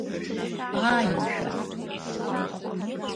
Аи, мшәан…